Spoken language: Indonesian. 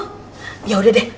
oh yaudah deh